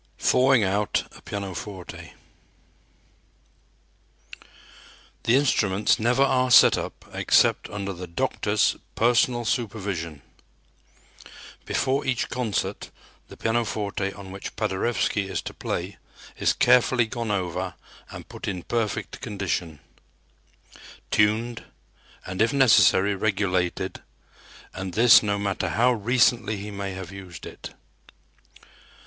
"Thawing Out" a Pianoforte. The instruments never are set up except under the "doctor's" personal supervision. Before each concert the pianoforte on which Paderewski is to play is carefully gone over and put in perfect condition tuned and, if necessary, regulated, and this no matter how recently he may have used it.